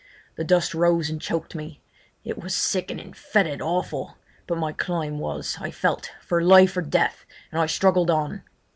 The dust rose and choked me; it was sickening, fœtid, awful; but my climb was, I felt, for life or death, and I struggled on.